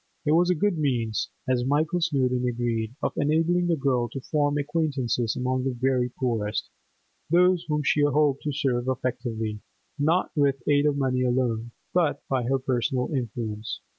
It was a good means, as Michael Snowdon agreed, of enabling the girl to form acquaintances among the very poorest, those whom she hoped to serve effectively—not with aid of money alone, but by her personal influence.